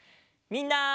みんな。